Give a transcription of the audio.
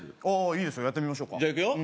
いいですよやってみましょうかじゃいくよ